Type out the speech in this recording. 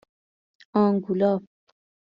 آنگولا